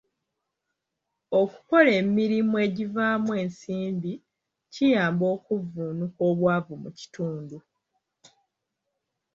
Okukola emirimu egivaamu ensimbi kiyamba okuvvuunuka obwavu mu kitundu.